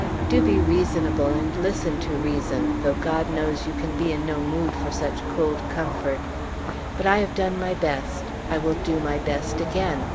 Do be reasonable, and listen to reason, though God knows you can be in no mood for such cold comfort! But I have done my best; I will do my best again.